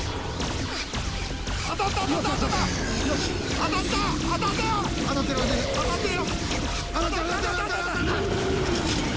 当たったよ！